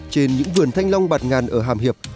trên những vườn thanh long bạt ngàn ở hàm hiệp